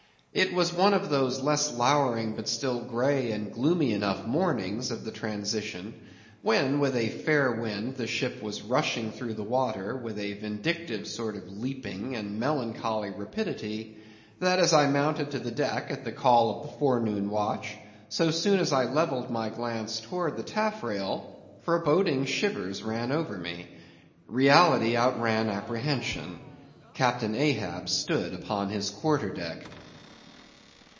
It was one of those less lowering, but still grey and gloomy enough mornings of the transition, when with a fair wind the ship was rushing through the water with a vindictive sort of leaping and melancholy rapidity, that as I mounted to the deck at the call of the forenoon watch, so soon as I levelled my glance towards the taffrail, foreboding shivers ran over me. Reality outran apprehension; Captain Ahab stood upon his quarter deck.